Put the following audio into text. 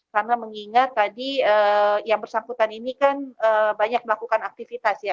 karena mengingat tadi yang bersangkutan ini kan banyak melakukan aktivitas ya